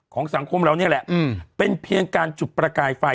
ของสังคมเรานี่แหละเป็นเพียงการจุดประกายไฟ